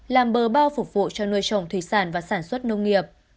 làm bờ bao phục vụ cho nuôi trồng thủy sản và sản xuất nông nghiệp